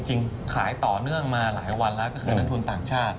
จริงขายต่อเนื่องมาหลายวันแล้วก็คือนักทุนต่างชาติ